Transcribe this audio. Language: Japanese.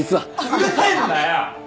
うるせえんだよ！